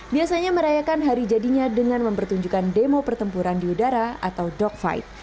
biasanya merayakan hari jadinya dengan mempertunjukkan demo pertempuran di udara atau dogfight